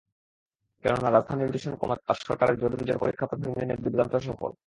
কেননা, রাজধানীর দূষণ কমাতে তাঁর সরকারের জোড়-বিজোড় পরীক্ষা প্রথম দিনে দুর্দান্ত সফল।